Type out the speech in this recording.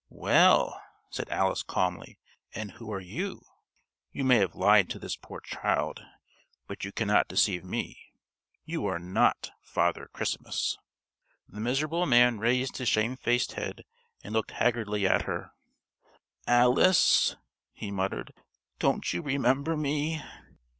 "Well," said Alice calmly, "and who are you? You may have lied to this poor child, but you cannot deceive me. You are not Father Christmas." The miserable man raised his shamefaced head and looked haggardly at her. "Alice!" he muttered, "don't you remember me?"